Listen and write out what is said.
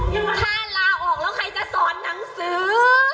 อยู่ถ้าลาออกแล้วใครจะสอนหนังสือ